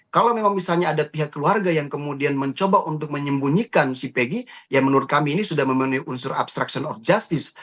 kalau memang misalnya ada pihak keluarga yang kemudian mencoba untuk menyembunyikan si pegi ya menurut kami ini sudah memenuhi unsur obstruction of justice